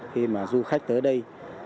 khi du khách tới đây